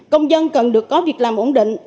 công dân cần được có việc làm ổn định